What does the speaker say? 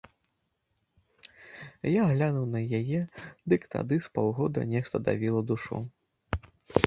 Я глянуў на яе, дык тады з паўгода нешта давіла душу.